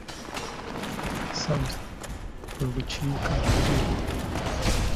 South bwe Bukiikaddyo.